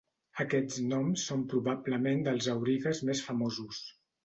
Aquests noms són probablement dels aurigues més famosos.